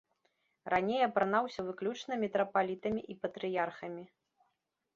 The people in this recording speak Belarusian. Раней апранаўся выключна мітрапалітамі і патрыярхамі.